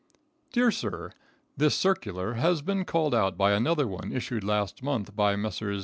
Dear Sir: This circular has been called out by another one issued last month by Messrs.